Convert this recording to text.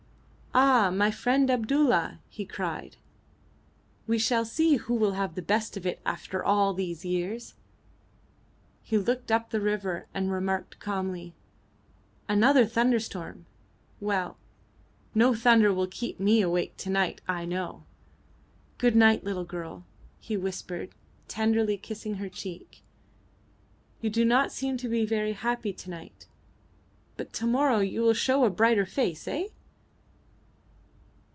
"Ah! my friend Abdulla," he cried, "we shall see who will have the best of it after all these years!" He looked up the river and remarked calmly: "Another thunderstorm. Well! No thunder will keep me awake to night, I know! Good night, little girl," he whispered, tenderly kissing her cheek. "You do not seem to be very happy to night, but to morrow you will show a brighter face. Eh?"